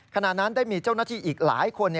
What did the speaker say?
ขณะนั้นได้มีเจ้าหน้าที่อีกหลายคน